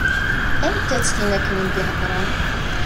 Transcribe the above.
Anta-tt tin akken i m-d-iheddṛen?